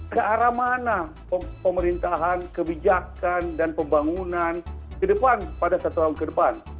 ke arah mana pemerintahan kebijakan dan pembangunan ke depan pada satu tahun ke depan